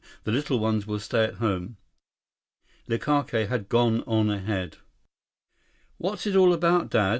The little ones will stay at home." Likake had gone on ahead. "What's it all about, Dad?